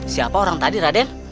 siapa orang tadi raden